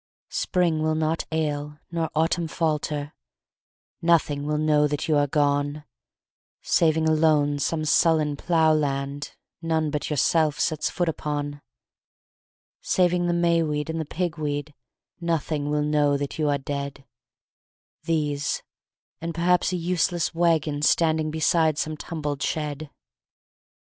Spring will not ail nor autumn falter; Nothing will know that you are gone, Saving alone some sullen plough land None but yourself sets foot upon; Saving the may weed and the pig weed Nothing will know that you are dead, These, and perhaps a useless wagon Standing beside some tumbled shed.